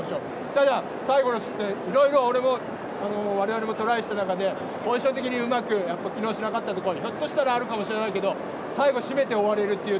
ただ、最後の失点我々もトライした中でポジション的にうまく機能しなかったところもひょっとしたらあるかもしれないけど最後、締めて終われるという